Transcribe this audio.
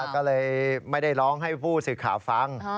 ก็เลยไม่ได้ร้องให้ผู้สื่อข่าวฟัง